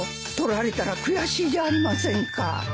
取られたら悔しいじゃありませんか。